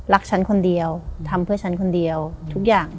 ฉันคนเดียวทำเพื่อฉันคนเดียวทุกอย่าง